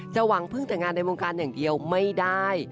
หวังพึ่งแต่งานในวงการอย่างเดียวไม่ได้